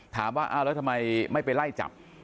ถามว่าอ้าวแล้วทำไมไม่ไปไล่จับ